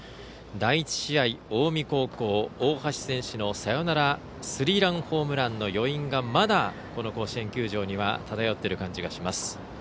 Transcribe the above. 第１試合、近江高校、大橋選手のサヨナラスリーランホームランの余韻がまだ、この甲子園球場には漂っている感じがします。